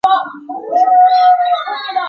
这是我十年来的研究成果